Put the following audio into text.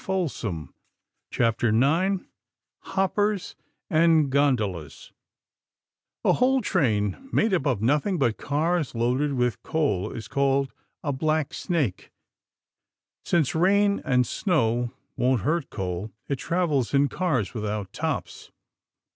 HOPPERS AND GONDOLAS A whole train made up of nothing but cars loaded with coal is called a black snake. Since rain and snow won't hurt coal, it travels in cars without tops.